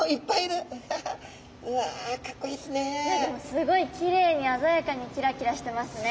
すごいきれいにあざやかにキラキラしてますね。